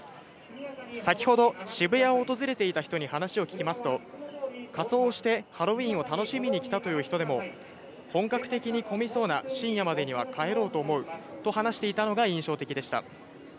先ほど、渋谷を訪れていた人に話を聞きますと、仮装をしてハロウィーンを楽しみに来たという人でも、本格的に混みそうな深夜までには帰ろうと思うと話していたのが印象的でした。